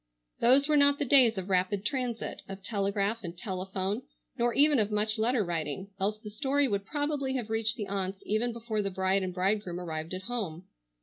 Those were not the days of rapid transit, of telegraph and telephone, nor even of much letter writing, else the story would probably have reached the aunts even before the bride and bridegroom arrived at home.